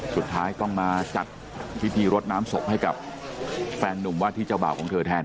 สุดท้ายต้องมาจัดพิธีรดน้ำศพให้กับแฟนนุ่มว่าที่เจ้าบ่าวของเธอแทน